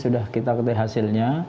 sudah kita ketahui hasilnya